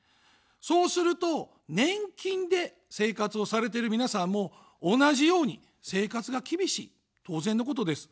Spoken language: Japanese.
そうすると、年金で生活をされている皆さんも同じように生活が厳しい、当然のことです。